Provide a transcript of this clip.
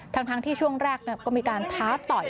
ทั้งที่ช่วงแรกก็มีการท้าต่อย